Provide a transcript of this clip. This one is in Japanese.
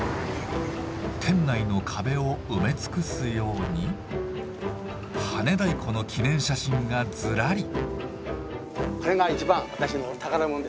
店内の壁を埋め尽くすようにはね太鼓の記念写真がずらり。